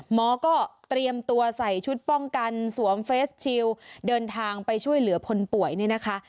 หมอก็เตรียมตัวใส่ชุดป้องกันสวมเฟสชิลเดินทางไปช่วยเหลือคนป่วยนี่นะคะ